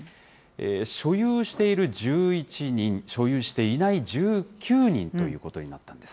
所有している１１人、所有していない１９人ということになったんです。